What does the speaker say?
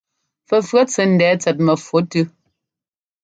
Fɛfʉ̈ɔt sɛ́ ńdɛɛ tsɛt mɛfu tʉ́.